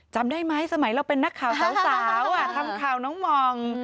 จำได้ไหมสมัยเราเป็นนักข่าวสาวทำข่าวน้องมอง